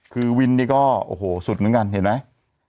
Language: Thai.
คือวินนี่ก็โอ้โหสุดเหมือนกันเห็นไหม